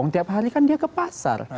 tiap hari kan dia ke pasar